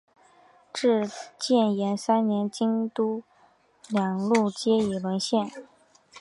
至建炎三年京东两路皆已沦陷。